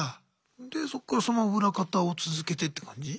でそっからそのまま裏方を続けてって感じ？